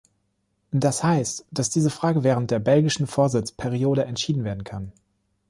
Das heißt, dass diese Frage während der belgischen Vorsitzperiode entschieden werden kann.